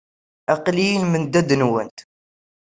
Aql-iyi i lmendad-nwent.